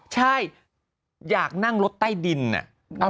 ใช่อยากนั่งรถใต้ดิน